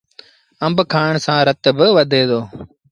آݩب کآڻ سآݩ رت با وڌي دو۔